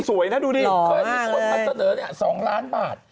สวยนะดูดิหล่อมากเลยค่อยมีคนมาเจอ๒ล้านบาท